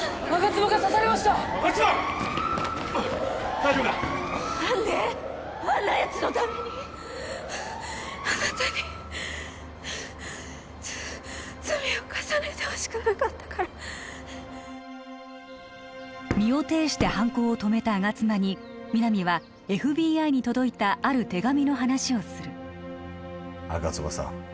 大丈夫か何であんなやつのためにあなたにつ罪を重ねてほしくなかったから身をていして犯行を止めた吾妻に皆実はＦＢＩに届いたある手紙の話をする吾妻さん